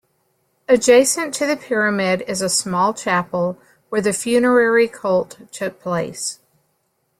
Adjacent to the pyramid is a small chapel where the funerary cult took place.